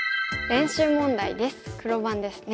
黒番ですね。